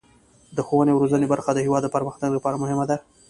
د ښوونې او روزنې برخه د هیواد د پرمختګ لپاره مهمه ده.